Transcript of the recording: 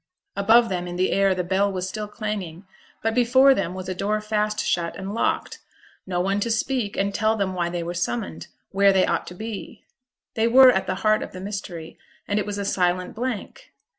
Above them in the air the bell was still clanging; but before them was a door fast shut and locked; no one to speak and tell them why they were summoned where they ought to be. They were at the heart of the mystery, and it was a silent blank!